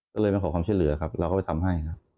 ก็เลยมาขอความช่วยเหลือครับเราก็ไปทำให้ครับ